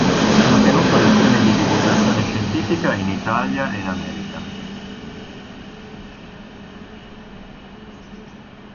Ha tenuto lezioni di divulgazione scientifica in Italia e in America.